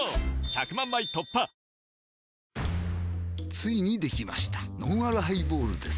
ついにできましたのんあるハイボールです